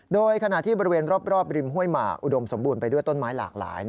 โดยขณะที่บริเวณรอบริมห้วยหมากอุดมสมบูรณ์ไปด้วยต้นไม้หลากหลาย